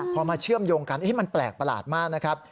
พอมาเชื่อมโยงกันมันแปลกประหลาดมากนะครับ